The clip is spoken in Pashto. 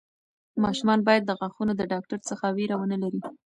ماشومان باید د غاښونو د ډاکټر څخه وېره ونه لري.